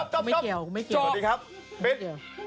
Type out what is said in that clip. กูไม่เกี่ยวสวัสดีครับปิด